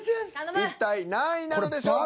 一体何位なのでしょうか？